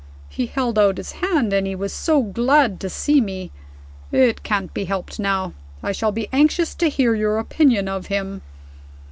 He held out his hand, and he was so glad to see me. It can't be helped now. I shall be anxious to hear your opinion of him."